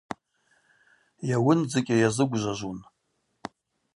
Йауындзыкӏьа йазыгвжважвун.